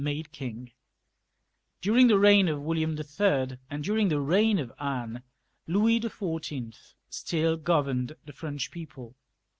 made king, during the reign of William III., and during the reign of Anne — Louis XIV. still governed the French people.